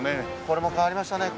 これも変わりましたね。